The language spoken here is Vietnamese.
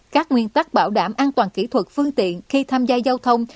các nguyên tắc bảo đảm an toàn kỹ thuật phương tiện khi tham gia giao thông